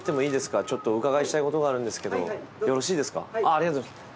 ありがとうございます。